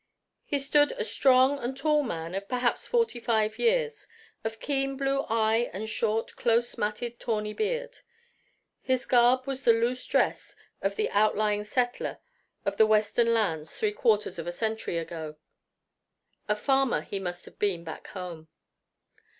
He stood, a strong and tall man of perhaps forty five years, of keen blue eye and short, close matted, tawny beard. His garb was the loose dress of the outlying settler of the Western lands three quarters of a century ago. A farmer he must have been back home.